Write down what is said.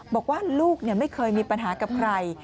บอกว่าลูกไม่เคยมีปัญหากับใคร